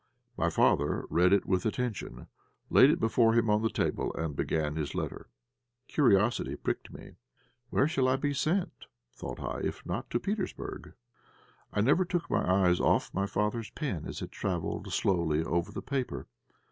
My father read it with attention, laid it before him on the table, and began his letter. Curiosity pricked me. "Where shall I be sent," thought I, "if not to Petersburg?" I never took my eyes off my father's pen as it travelled slowly over the paper.